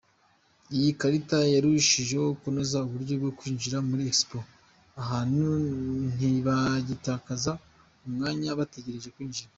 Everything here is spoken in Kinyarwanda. Iyi karita yarushijeho kunoza uburyo bwo kwinjira muri Expo, abantu ntibagitakaza umwanya bategereje kwinjira.